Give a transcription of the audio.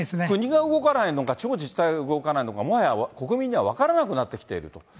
国が動かないのか、地方自治体が動かないのか、もはや国民には分からなくなってきていると。